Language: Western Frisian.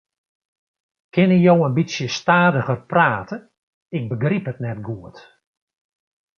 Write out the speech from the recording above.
Kinne jo in bytsje stadiger prate, ik begryp it net goed.